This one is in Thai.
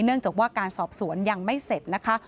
เนื่องจากว่าการสอบสวนยังไม่เสร็จนะคะ